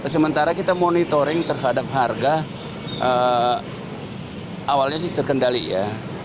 sementara kita monitoring terhadap harga awalnya sih terkendali ya